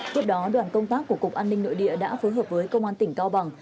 tiếp đó đoàn công tác của cục an ninh nội địa đã phối hợp với công an tỉnh cao bằng